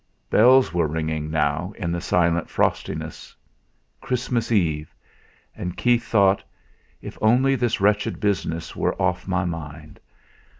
Bells were ringing now in the silent frostiness. Christmas Eve! And Keith thought: 'If only this wretched business were off my mind!